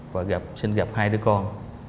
và xin gặp hai đứa con